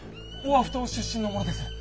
オアフ島出身の者です。